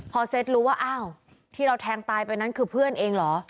พอเซ็ตรู้ว่าอ้าวที่เราแทงตายไปนั้นคือเพื่อนเองเหรอ